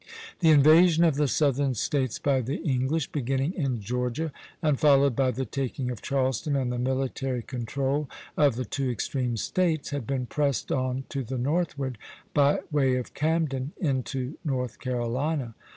The invasion of the Southern States by the English, beginning in Georgia and followed by the taking of Charleston and the military control of the two extreme States, had been pressed on to the northward by way of Camden into North Carolina.